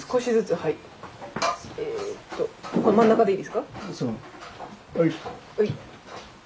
はい。